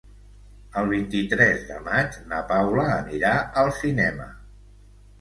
El vint-i-tres de maig na Paula anirà al cinema.